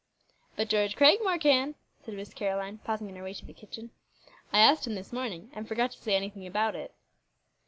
"But George Cragmore can," said Miss Caroline, pausing on her way to the kitchen. "I asked him this morning, and forgot to say anything about it."